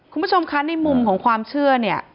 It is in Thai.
คุณผู้ชมคะในมุมของความเชื่อเนี่ย